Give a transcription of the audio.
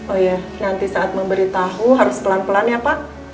oh ya nanti saat memberitahu harus pelan pelan ya pak